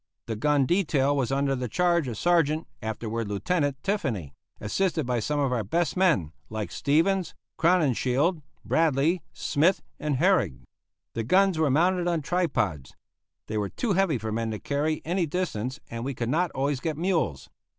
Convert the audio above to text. The gun detail was under the charge of Sergeant (afterward Lieutenant) Tiffany, assisted by some of our best men, like Stevens, Crowninshield, Bradley, Smith, and Herrig. The guns were mounted on tripods. They were too heavy for men to carry any distance and we could not always get mules.